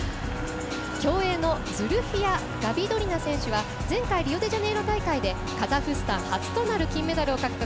競泳のズルフィヤ・ガビドリナ選手は前回のリオデジャネイロ大会でカザフスタン初となる金メダルを獲得。